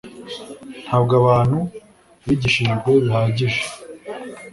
Ntabwo abantu bigishijwe bihagije